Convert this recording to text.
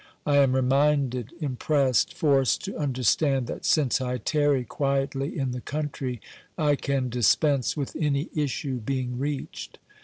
I am reminded, impressed, forced to understand that since I tarry quietly in the country I can dispense with any issue being reached.